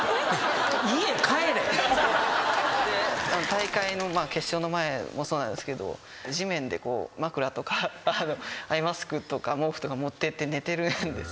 大会の決勝の前もそうなんですけど地面で枕とかアイマスクとか毛布とか持ってって寝てるんです。